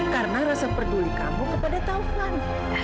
karena rasa peduli kamu kepada taufan